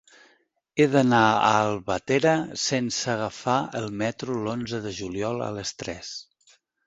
He d'anar a Albatera sense agafar el metro l'onze de juliol a les tres.